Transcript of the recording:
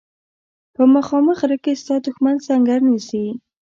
په مخامخ غره کې ستا دښمن سنګر نیسي.